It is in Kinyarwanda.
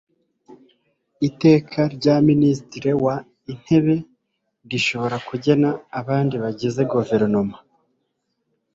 iteka rya minisitiri w intebe rishobora kugena abandi bagize guverinoma